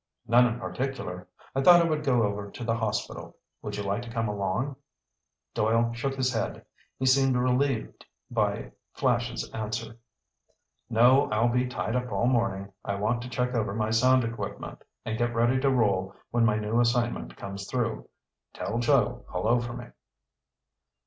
"None in particular. I thought I would go over to the hospital. Would you like to come along?" Doyle shook his head. He seemed relieved by Flash's answer. "No, I'll be tied up all morning. I want to check over my sound equipment and get ready to roll when my new assignment comes through. Tell Joe hello for me."